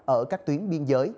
ở các tuyến biên giới